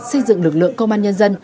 xây dựng lực lượng công an nhân dân